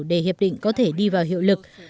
để hiệp định có thể đi vào hiệu lực